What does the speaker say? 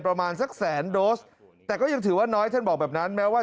ประมาณสักแสนโดสแต่ก็ยังถือว่าน้อยท่านบอกแบบนั้นแม้ว่า